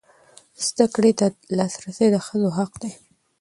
زده کړې ته لاسرسی د ښځو حق دی.